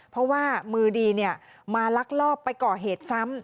เพราะว่ามือดีมาลักลอบไปก่อเหตุซ้ำ